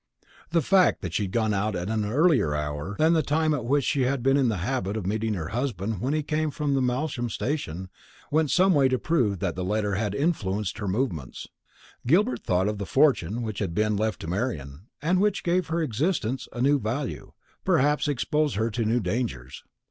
The fact that she had gone out at an earlier hour than the time at which she had been in the habit of meeting her husband when he came from the Malsham station, went some way to prove that the letter had influenced her movements. Gilbert thought of the fortune which had been left to Marian, and which gave her existence a new value, perhaps exposed her to new dangers.